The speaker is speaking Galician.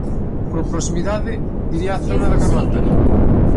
Por proximidade diría a zona de Carnota.